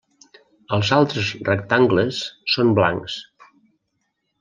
Els altres rectangles són blancs.